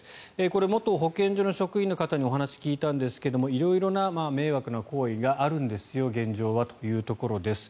これ、元保健所の職員の方にお話を聞いたんですが色々な迷惑な行為があるんですよ現状はというところです。